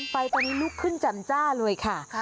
ไฟตัวนี้ลุกขึ้นจำจ้าเลยค่ะ